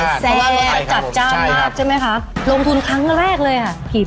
ลงทุนครั้งแรกเลย